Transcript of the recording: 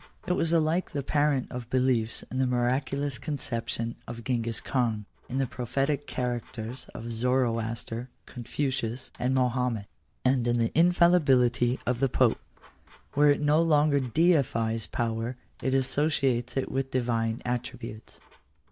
It was alike the parent of beliefs in the mira culous conception of Gengis Khan, in the prophetic characters of Zoroaster, Confucius, and Mahomet, and in the infallibility of the Pope. Where it no longer deifies power, it associates it with divine attributes.